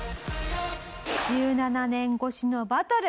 １７年越しのバトル。